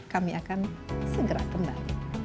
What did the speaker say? kami akan segera kembali